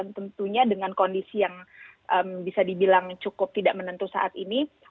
tentunya dengan kondisi yang bisa dibilang cukup tidak menentu saat ini